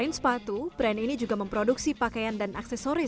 itu rupiah kita lihat dari ini